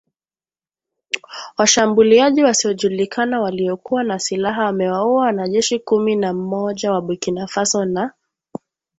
Washambuliaji wasiojulikana waliokuwa na silaha wamewaua wanajeshi klumi na moja wa Burkina Faso na